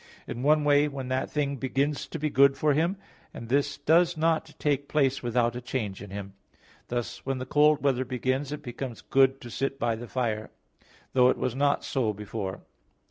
In one way when that thing begins to be good for him, and this does not take place without a change in him. Thus when the cold weather begins, it becomes good to sit by the fire; though it was not so before.